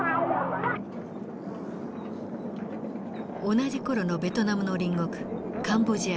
同じ頃のベトナムの隣国カンボジアです。